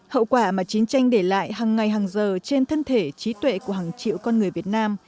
hậu quả mà chiến tranh để lại hằng ngày hàng giờ trên thân thể trí tuệ của hàng triệu con người việt nam